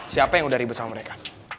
siapa yang udah ribut sama mereka